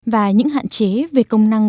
và những hạn chế về công năng